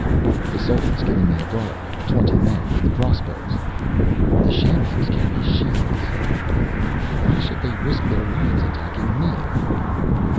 "The Sultan's giving me a guard. Twenty men with crossbows." "The sjambaks carry shields." "Why should they risk their lives attacking me?"